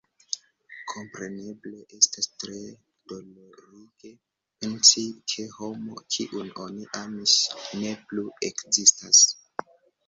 Kompreneble, estas tre dolorige pensi, ke homo, kiun oni amis, ne plu ekzistas.